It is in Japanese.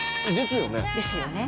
ですよね？